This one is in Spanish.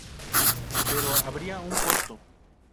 Pero habría un costo.